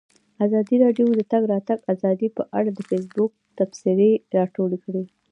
ازادي راډیو د د تګ راتګ ازادي په اړه د فیسبوک تبصرې راټولې کړي.